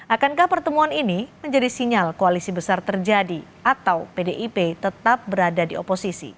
akankah pertemuan ini menjadi sinyal koalisi besar terjadi atau pdip tetap berada di oposisi